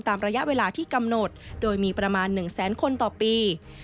ระยะเวลาที่กำหนดโดยมีประมาณ๑แสนคนต่อปี